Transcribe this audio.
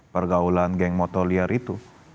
pergaulan geng motor liar itu